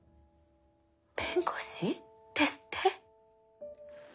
弁護士ですって？